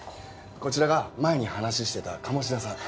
こちらが前に話してた鴨志田さん。